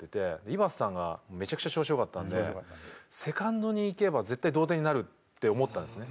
井端さんがめちゃくちゃ調子よかったんでセカンドに行けば絶対同点になるって思ったんですね。